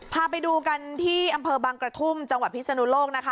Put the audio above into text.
พาไปดูกันที่อำเภอบางกระทุ่มจังหวัดพิศนุโลกนะคะ